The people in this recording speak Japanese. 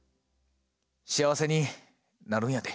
幸せになるんやで。